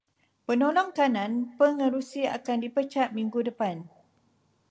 Penolong kanan pengerusi akan dipecat minggu depan.